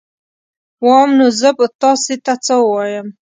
وام نو زه به تاسي ته څه ووایم